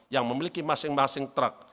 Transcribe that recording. yang memiliki masing masing truk